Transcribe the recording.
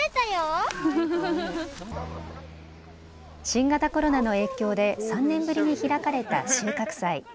新型コロナの影響で３年ぶりに開かれた収穫祭。